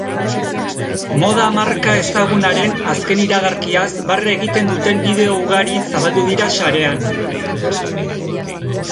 Moda marka ezagunaren azken iragarkiaz barre egiten duten bideo ugari zabaldu dira sarean.